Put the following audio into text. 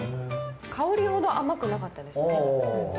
香りほど甘くなかったです。